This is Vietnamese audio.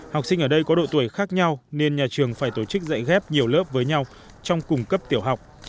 học sinh ở đây có độ tuổi khác nhau nên nhà trường phải tổ chức dạy ghép nhiều lớp với nhau trong cùng cấp tiểu học